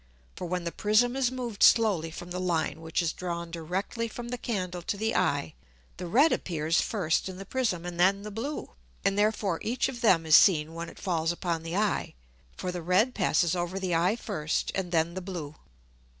For when the Prism is moved slowly from the Line which is drawn directly from the Candle to the Eye, the red appears first in the Prism and then the blue, and therefore each of them is seen when it falls upon the Eye. For the red passes over the Eye first, and then the blue.